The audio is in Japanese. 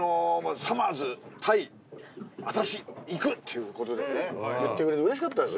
さまぁずタイ私行くっていうことでね言ってくれて嬉しかったです